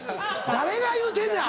誰が言うてんねん！